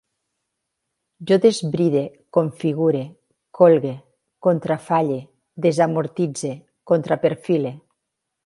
Jo desbride, configure, colgue, contrafalle, desamortitze, contraperfile